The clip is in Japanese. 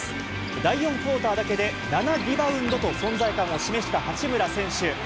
第４クオーターだけで７リバウンドと存在感を示した八村選手。